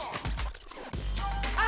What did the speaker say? あ！